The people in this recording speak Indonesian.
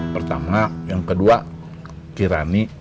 pertama yang kedua kirani